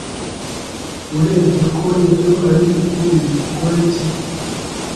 Urebye ko ibyo ari ukuri, dukore iki?